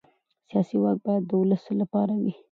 سیاسي واک باید د ولس لپاره وي